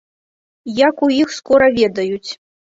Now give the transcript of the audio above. Як у іх скора ведаюць.